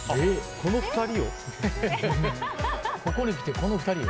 この２人を？